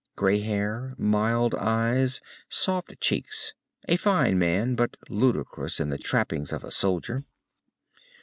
Grey hair, mild eyes, soft cheeks. A fine man, but ludicrous in the trappings of a soldier.